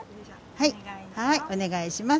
はいお願いします。